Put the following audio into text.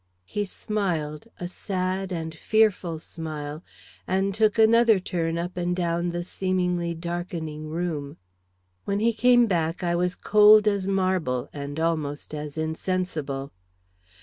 He smiled, a sad and fearful smile, and took another turn up and down the seemingly darkening room. When he came back I was cold as marble, and almost as insensible.